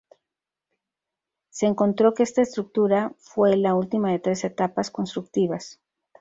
Se encontró que esta estructura fue la última de tres etapas constructivas.